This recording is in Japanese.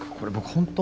本当